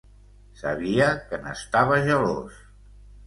Sabia que n'estava gelós.